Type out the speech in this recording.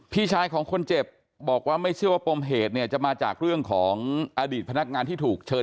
พี่ชายของคนเจ็บบอกว่าไม่เชื่อว่าปมเหตุเนี่ยจะมาจากเรื่องของอดีตพนักงานที่ถูกเชิญ